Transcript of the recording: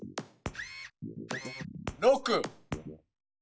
６。